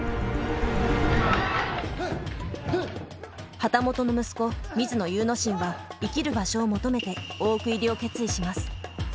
旗本の息子水野祐之進は生きる場所を求めて大奥入りを決意します。